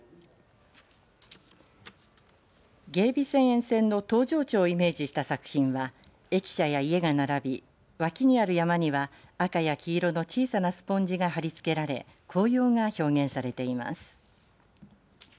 芸備線沿線の東城町をイメージした作品は駅舎や家が並び脇にある山には赤や黄色の小さなスポンジが貼り付けられ紅葉が表現されています。